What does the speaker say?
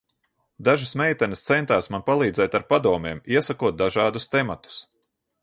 Dažas meitenes centās man palīdzēt ar padomiem, iesakot dažādus tematus.